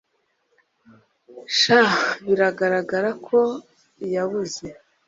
Sha biragaragara ko yabuze